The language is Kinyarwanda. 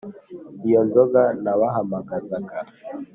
iyo nzoga nabahamagazaga